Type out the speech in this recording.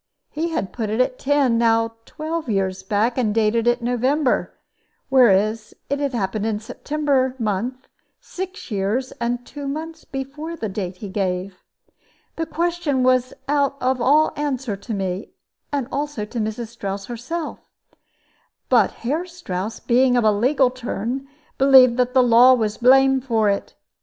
He had put it at ten, now twelve, years back, and dated it in November, whereas it had happened in September month, six years and two months before the date he gave. This question was out of all answer to me, and also to Mrs. Strouss herself; but Herr Strouss, being of a legal turn, believed that the law was to blame for it.